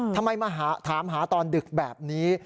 ทำไมมาถามหาตอนดึกแบบนี้